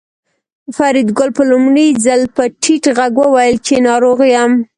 فریدګل په لومړي ځل په ټیټ غږ وویل چې ناروغ یم